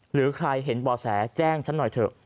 หรือใครเห็นบ่อแสแจ้งฉันหน่อยเถอะ